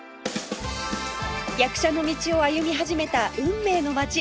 役者の道を歩み始めた運命の街